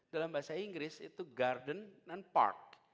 dalam bahasa inggris itu garden non park